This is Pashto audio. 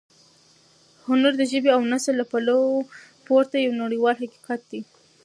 هنر د ژبې او نسل له پولو پورته یو نړیوال حقیقت دی.